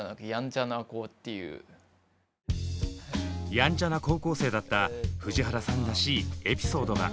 ヤンチャな高校生だった藤原さんらしいエピソードが。